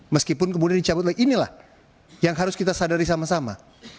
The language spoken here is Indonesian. meskipun kemudian dicabut oleh inilah yang harus kita sadari sama sama